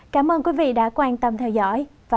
cảm ơn quý vị đã quan tâm theo dõi